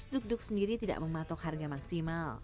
dukduk sendiri tidak mematok harga maksimal